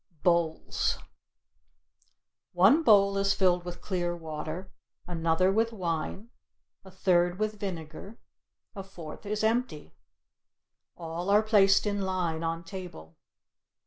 BOWLS One bowl is filled with clear water, another with wine, a third with vinegar, a fourth is empty. All are placed in line on table.